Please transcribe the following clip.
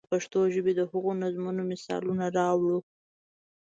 د پښتو ژبې د هغو نظمونو مثالونه راوړو.